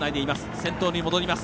先頭に戻ります。